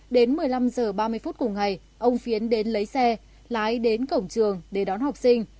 đến một mươi năm h ba mươi phút cùng ngày ông phiến đến lấy xe lái đến cổng trường để đón học sinh